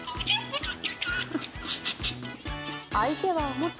相手はおもちゃ。